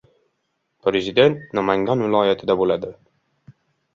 Prezident Namangan viloyatida bo‘ladi